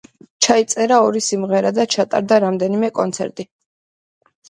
ჩაიწერა ორი სიმღერა და ჩატარდა რამდენიმე კონცერტი.